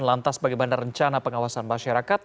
lantas bagaimana rencana pengawasan masyarakat